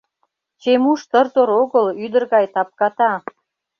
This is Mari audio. Чемуш тыр-тор огыл, ӱдыр гай тапката.